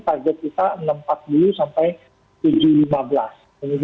target kita enam ratus empat puluh sampai